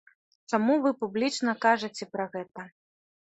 Чаму вы публічна кажаце пра гэта?